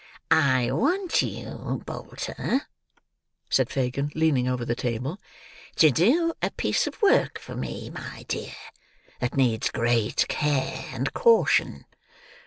"I want you, Bolter," said Fagin, leaning over the table, "to do a piece of work for me, my dear, that needs great care and caution."